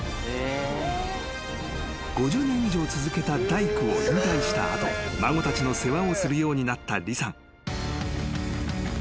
［５０年以上続けた大工を引退した後孫たちの世話をするようになった李さん］